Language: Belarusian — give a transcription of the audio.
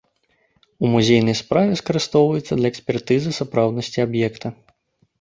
У музейнай справе скарыстоўваецца для экспертызы сапраўднасці аб'екта.